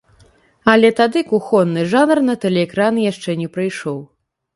Але тады кухонны жанр на тэлеэкраны яшчэ не прыйшоў.